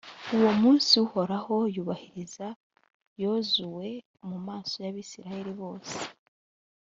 uwo munsi uhoraho yubahiriza yozuwe mu maso y’abayisraheli bose,